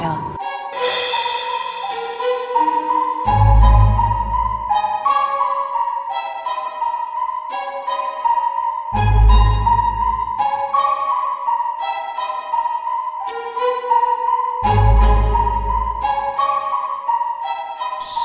mereka juga sama